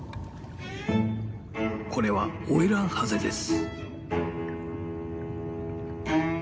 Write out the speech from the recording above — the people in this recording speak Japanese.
これはオイランハゼです。